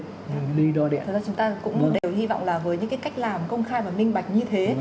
vì thật ra chúng ta cũng đều hy vọng là với những cái cách làm công khai và minh bạch như thế